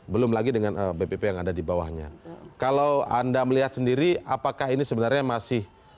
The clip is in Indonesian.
belum lagi bpp yang ada di bawahnya kalau anda melihat sendiri apakah ini sebenarnya masih make sense atau bagaimana